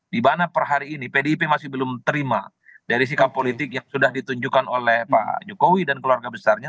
di mana per hari ini pdip masih belum terima dari sikap politik yang sudah ditunjukkan oleh pak jokowi dan keluarga besarnya